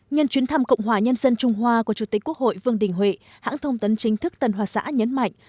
nhân chuyến thăm cộng hòa nhân dân trung hoa của chủ tịch quốc hội vương đình huệ hãng thông tấn chính thức tân hoa xã nhấn mạnh